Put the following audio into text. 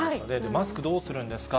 マスクどうするんですか？